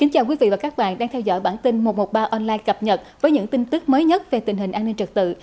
chào mừng quý vị đến với bản tin một trăm một mươi ba online cập nhật với những tin tức mới nhất về tình hình an ninh trật tự